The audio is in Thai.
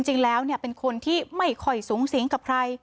จริงแล้วเป็นคนที่ไม่ค่อยสูงสิงกับใคร